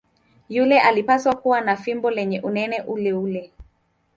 Yule alipaswa kuwa na fimbo lenye unene uleule.